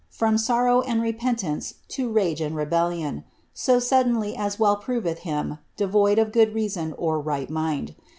from sorrow and repentance to rage and rebellion, so suddenly as well proveih him devoid of good reason or right mind.